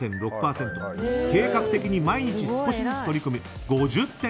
計画的に毎日少しずつ取り組むは５０．１％。